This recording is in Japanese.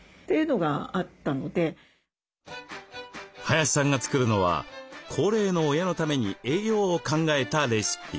林さんが作るのは高齢の親のために栄養を考えたレシピ。